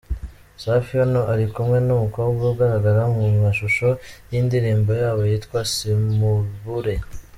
Safi hano ari kumwe n'umukobwa ugaragara mu mashusho y'indirimbo yabo yitwa Simubure.